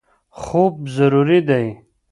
خوب ضروري دی.